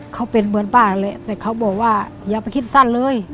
เขาเป็นเหมือนบ้านแหละแต่เขาบอกว่าอย่าไปคิดสั้นเลย